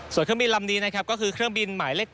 ส่วนเครื่องบินลำนี้นะครับก็คือเครื่องบินหมายเลข๗